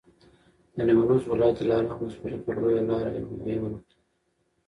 د نیمروز ولایت دلارام ولسوالي پر لویه لاره یوه مهمه نقطه ده.